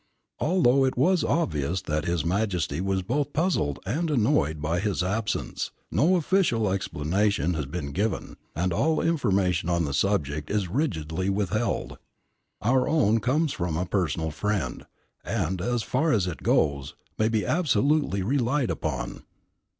Although it was obvious that His Majesty was both puzzled and annoyed by his absence, no official explanation of it has been given, and all information on the subject is rigidly withheld. Our own comes from a personal friend, and, as far as it goes, may be absolutely relied upon."